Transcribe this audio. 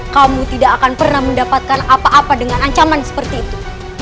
kamu tidak akan pernah mendapatkan apa apa dengan ancaman seperti itu